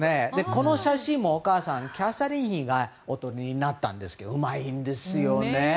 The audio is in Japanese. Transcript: この写真もお母さんのキャサリン妃がお撮りになったんですがうまいんですよね。